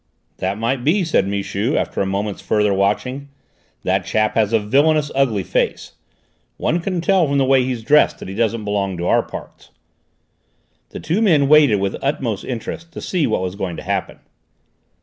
"That might be," said Michu after a moment's further watching. "That chap has a villainous, ugly face. One can tell from the way he's dressed that he don't belong to our parts." The two men waited with utmost interest to see what was going to happen.